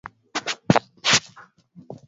zote za Afrika lakini sehemu kubwa ya eneo lake